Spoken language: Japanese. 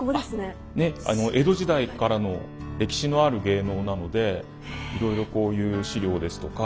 江戸時代からの歴史のある芸能なのでいろいろこういう資料ですとか。